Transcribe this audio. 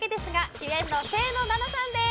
主演の清野菜名さんです